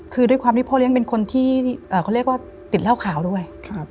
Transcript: คือด้วยความที่พ่อเลี้ยงเป็นคนที่เขาเรียกว่าติดเหล้าขาวด้วย